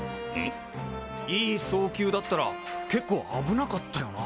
いい送球だったら結構危なかったよな。